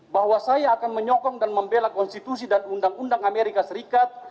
bahwa saya akan menyokong dan membela konstitusi dan undang undang amerika serikat